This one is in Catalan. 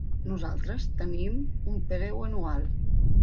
Nosaltres tenim un preu anual.